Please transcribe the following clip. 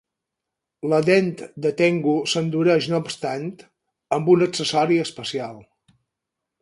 La dent de tengu s'endureix, no obstant, amb un accessori especial.